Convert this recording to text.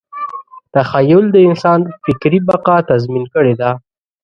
تخیل د انسان فکري بقا تضمین کړې ده.